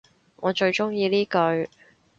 我最鍾意呢句